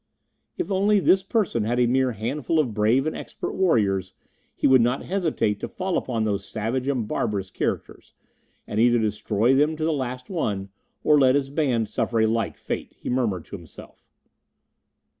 "If only this person had a mere handful of brave and expert warriors, he would not hesitate to fall upon those savage and barbarous characters, and either destroy them to the last one, or let his band suffer a like fate," he murmured to himself.